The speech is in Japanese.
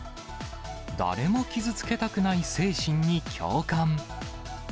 誰も傷つけたくない精神に共感。